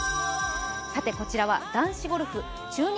こちらは男子ゴルフ中日